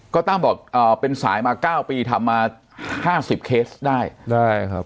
ก็ตั้มบอกเป็นสายมาเก้าปีทำมาห้าสิบเคสได้ได้ครับ